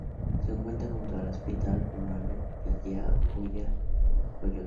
Se encuentra junto al hospital comarcal de Villajoyosa.